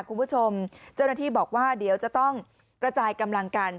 คุณผู้ชมเจ้าหน้าที่บอกว่าเดี๋ยวจะต้องกระจายกำลังกัน